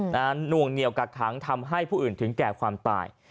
หน่วงเหนียวกักขังทำให้ผู้อื่นถึงแก่ความตาย